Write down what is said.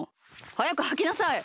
はやくはきなさい！